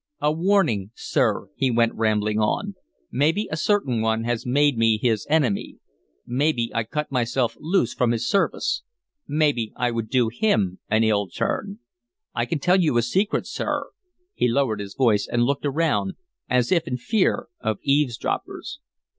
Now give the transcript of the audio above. "A warning, sir," he went ramblingly on. "Maybe a certain one has made me his enemy. Maybe I cut myself loose from his service. Maybe I would do him an ill turn. I can tell you a secret, sir." He lowered his voice and looked around, as if in fear of eavesdroppers.